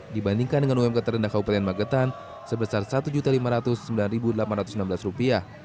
dibandingkan dengan umk terendah kabupaten magetan sebesar rp satu lima ratus sembilan delapan ratus enam belas